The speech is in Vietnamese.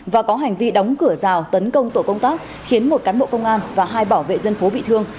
và có hành vi đóng cửa rào tấn công tổ công tác khiến một cán bộ công an và hai bảo vệ dân phố bị thương